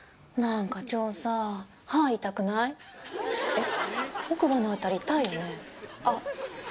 えっ？